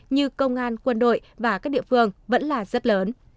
như công an quân đội và các địa phương vẫn là rất lớn